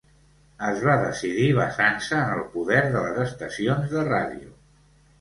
Es va decidir basant-se en el poder de les estacions de ràdio.